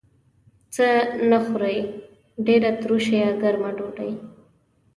څه نه خورئ؟ ډیره تروشه یا ګرمه ډوډۍ